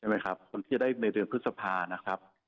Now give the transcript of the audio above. ไหมครับคนที่จะได้ในเดือนพฤษภานะครับ